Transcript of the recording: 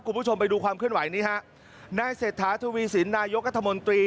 คุณผู้ชมไปดูความเคลื่อนไหวนี้ฮะนายเศรษฐาทวีสินนายกรัฐมนตรี